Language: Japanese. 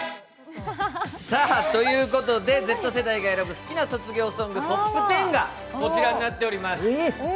Ｚ世代が選ぶ好きな卒業ソングＴＯＰ１０がこちらになっております。